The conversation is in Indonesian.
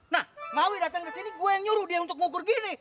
nah maui datang ke sini gua yang nyuruh dia untuk ngukur gini